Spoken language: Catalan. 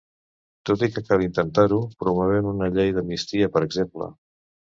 Tot i que cal intentar-ho, promovent una llei d’amnistia, per exemple.